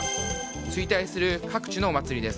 衰退する各地のお祭りです。